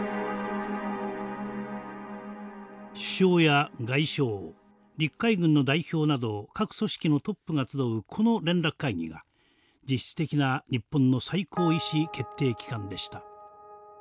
首相や外相陸海軍の代表など各組織のトップが集うこの連絡会議が実質的な日本の最高意志決定機関でした。